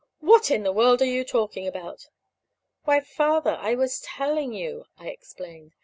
"What in the world are you talking about?" "Why, Father, I was telling you," I explained.